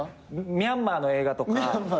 ミャンマーの映画とか。